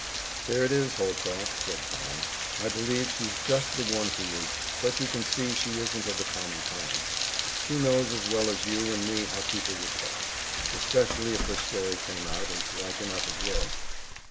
"There it is, Holcroft," said Tom. "I believe she's just the one for you, but you can see she isn't of the common kind. She knows as well as you and me how people would talk, especially if her story came out, as like enough it will."